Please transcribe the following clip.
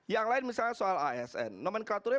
yang lain misalnya soal asn nomenklaturnya